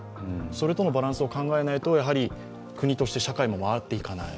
それとのバランスを考えないと国として社会も回っていかない。